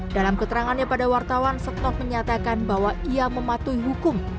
dalam keterangannya pada wartawan setnov menyatakan bahwa ia mematuhi hukum